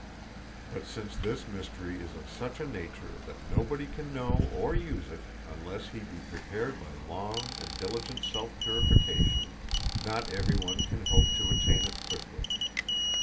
But since this mystery is of such a nature that nobody can know or use it unless he be prepared by long and diligent self purification, not everyone can hope to attain it quickly.